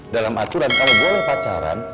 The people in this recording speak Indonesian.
dalam aturan kalau boleh pacaran